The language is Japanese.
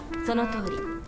そのとおり。